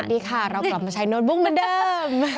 ดีค่ะเรากลับมาใช้โน้ตบุ๊กเหมือนเดิม